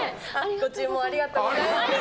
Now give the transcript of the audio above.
ご注文ありがとうございます。